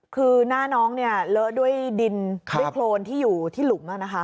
คือหน้าน้องเลอะด้วยดินด้วยโครนที่อยู่ที่หลุมแล้วนะฮะ